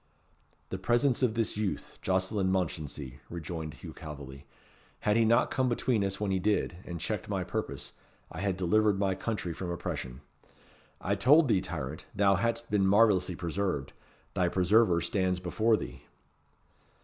"The presence of this youth, Jocelyn Mounchensey," rejoined Hugh Calveley. "Had he not come between us when he did, and checked my purpose, I had delivered my country from oppression. I told thee, tyrant, thou hadst been marvellously preserved. Thy preserver stands before thee."